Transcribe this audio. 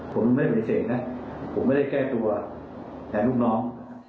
ผมไม่ได้เป็นเสกนะผมไม่ได้แก้ตัวแหละลูกน้อง